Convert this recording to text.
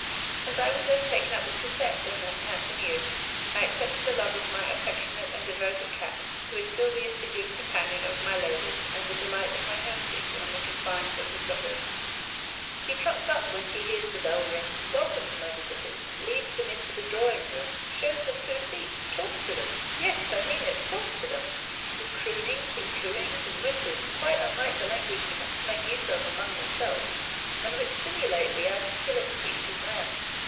As I was less taken up with Cosette than that handsome youth, I accepted the love of my affectionate and devoted cat, who is still the assiduous companion of my labours and the delight of my hermitage on the confines of the suburbs. She trots up when she hears the bell ring, welcomes my visitors, leads them into the drawing room, shows them to a seat, talks to them yes, I mean it, talks to them with croonings and cooings and whimpers quite unlike the language cats make use of among themselves, and which simulate the articulate speech of man.